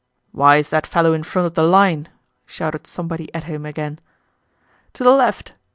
"Why's that fellow in front of the line?" shouted somebody at him again. "To the left!...